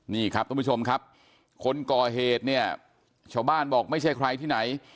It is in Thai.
นี่ครับทุกผู้ชมครับคนก่อเหตุเนี่ยชาวบ้านบอกไม่ใช่ใครที่ไหน